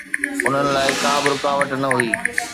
انهن لاءِ ڪا به رڪاوٽ نه هئي.